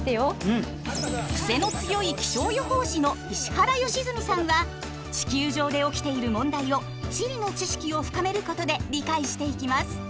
クセの強い気象予報士の石原良純さんは地球上で起きている問題を地理の知識を深めることで理解していきます。